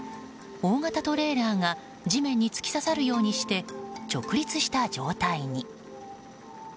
大型トレーラーが地面に突き刺さるようにして直立した状態に。